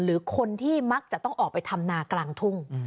หรือคนที่มักจะต้องออกไปทำนากลางทุ่ง